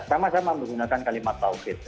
sama sama menggunakan kalimat tauhid